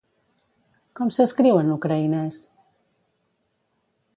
Com s'escriu en ucraïnès?